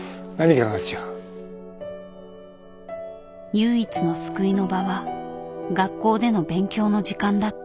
唯一の救いの場は学校での勉強の時間だった。